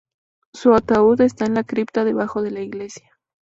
Su ataúd está en la cripta debajo de la iglesia.